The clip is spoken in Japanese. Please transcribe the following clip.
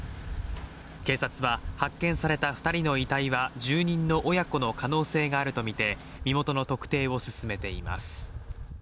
警察は、発見された２人の遺体は住人の親子の可能性があるとみて、身元の特定を進めています。